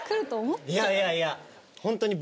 いやいやいや！